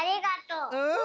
うん！